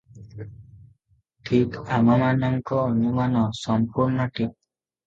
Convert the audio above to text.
ଠିକ୍ ଆମ ମାନଙ୍କ ଅନୁମାନ ସମ୍ପୂର୍ଣ୍ଣ ଠିକ୍ ।